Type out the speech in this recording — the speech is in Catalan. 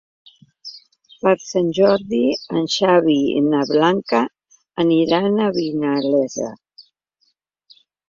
Per Sant Jordi en Xavi i na Blanca aniran a Vinalesa.